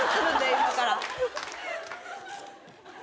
今から。